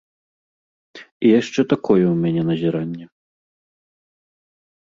І яшчэ такое ў мяне назіранне.